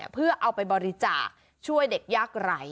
เพื่อเอาไปบริจาคช่วยเด็กยากไร้